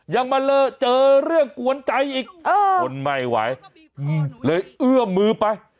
ยังมาเจอเรื่องกวนใจอีกทนไม่ไหวเลยเอื้อมมือไป